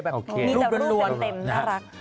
แบบรูปรวมมีแต่รูปเต็มน่ารัก